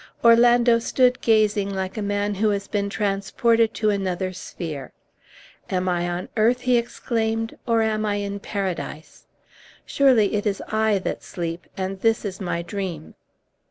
Orlando stood gazing like a man who had been transported to another sphere. "Am I on earth," he exclaimed, "or am I in Paradise? Surely it is I that sleep, and this is my dream."